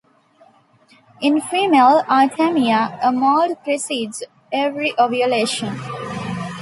In female "Artemia" a moult precedes every ovulation.